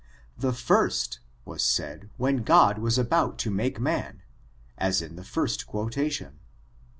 The fa'st was said when God was about to make man^ 1^ in the first quotation.